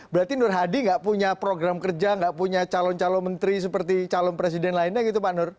berarti nur hadi nggak punya program kerja nggak punya calon calon menteri seperti calon presiden lainnya gitu pak nur